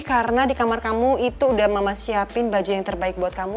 karena di kamar kamu itu udah mama siapin baju yang terbaik buat kamu